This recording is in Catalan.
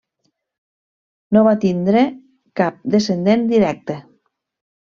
No va tindre cap descendent directe.